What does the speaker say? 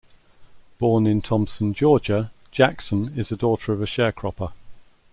Born in Thomson, Georgia, Jackson is the daughter of a sharecropper.